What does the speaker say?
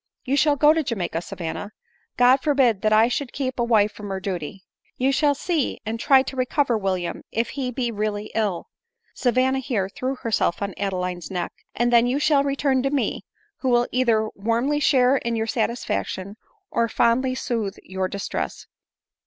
Yqu shall go to Ja maica, Savanna ; God forbid that I should keep a wife from her duty ! You shall see and try to recover WiUiam if he be really ill," (Savanna here threw herself on Ade line's neck,) " and then you shall return to me, who will either warmly share in your satisfaction or fondly sooth your distress."